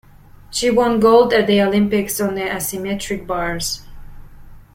She won gold at the Olympics on the asymmetric bars